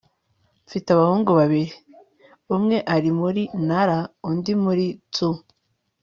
mfite abahungu babiri. umwe ari muri nara undi muri tsu